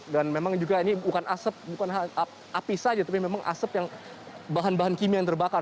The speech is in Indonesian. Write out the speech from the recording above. dan memang juga ini bukan asap bukan api saja tapi memang asap yang bahan bahan kimia yang terbakar